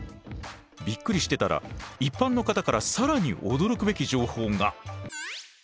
びっくりしてたら一般の方から更に驚くべき情報が。